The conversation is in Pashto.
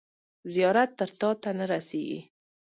زیارت تر تاته نه رسیږي.